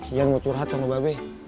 gian mau curhat sama babe